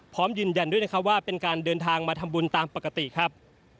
พร้อมยืนยันด้วยนะครับว่าเป็นการเดินทางมาทำบุญตามปกติครับ